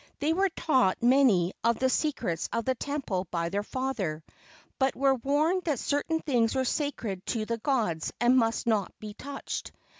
They were taught many of the secrets of the temple by their father, but were warned that certain things were sacred to the gods and must not be touched.